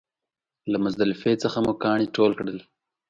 له مزدلفې څخه مو کاڼي ټول کړل.